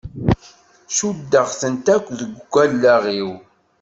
Cuddeɣ-tent akk deg wallaɣ-iw.